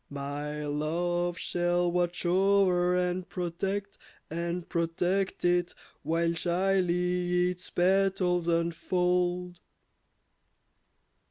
My love shall watch o'er, and protect, and protect it, While shyly its petals unfold.